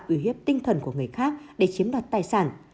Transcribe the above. uy hiếp tinh thần của người khác để chiếm đoạt tài sản